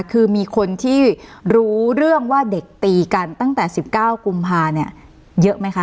คือมีคนที่รู้เรื่องว่าเด็กตีกันตั้งแต่๑๙กุมภาเนี่ยเยอะไหมคะ